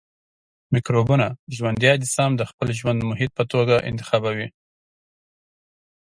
مکروبونه ژوندي اجسام د خپل ژوند محیط په توګه انتخابوي.